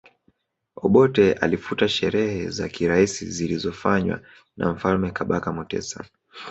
Obote alifuta sherehe za kiraisi zilizofanywa na Mfalme Kabaka Mutesa